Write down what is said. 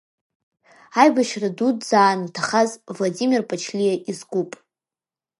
Аибашьра Дуӡӡа аан иҭахаз Владимир Ԥачлиа изкуп.